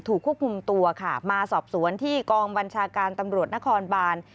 ควบคุมตัวค่ะมาสอบสวนที่กองบัญชาการตำรวจนครบาน